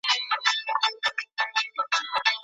ایا په آنلاین زده کړه کي د حضوري ټولګیو په څیر پوښتنې کیږي؟